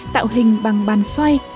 tạo hình bằng bàn xoay